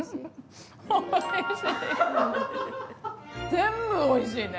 全部おいしいね。